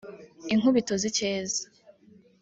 Inkubito z’Icyeza